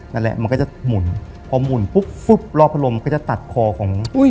นั่นแหละมันก็จะหมุนพอหมุนปุ๊บฟึ๊บรอบพระรมก็จะตัดคอของอุ้ย